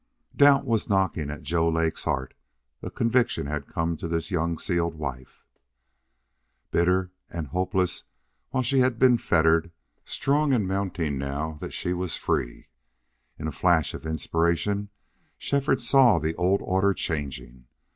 Doubt was knocking at Joe Lake's heart, and conviction had come to this young sealed wife, bitter and hopeless while she had been fettered, strong and mounting now that she was free. In a flash of inspiration Shefford saw the old order changing.